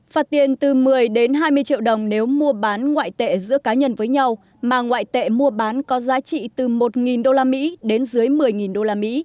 phạt tiền từ một mươi đến hai mươi triệu đồng nếu mua bán ngoại tệ giữa cá nhân với nhau mà ngoại tệ mua bán có giá trị từ một usd đến dưới một mươi usd